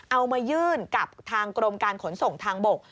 เอามายื่นกับทางกรมการขนส่งทางบก